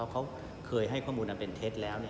เขาเคยให้ข้อมูลอันเป็นเท็จแล้ว